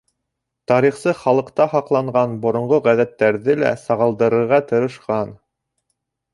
Тарихсы халыҡта һаҡланған боронғо ғәҙәттәрҙе лә сағылдырырға тырышҡан.